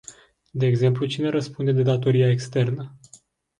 De exemplu cine răspunde de datoria externă.